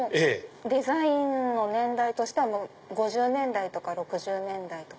デザインの年代としては５０年代とか６０年代とか。